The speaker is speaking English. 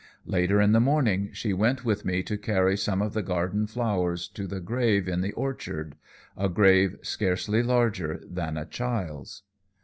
Later in the morning she went with me to carry some of the garden flowers to the grave in the orchard, a grave scarcely larger than a child's.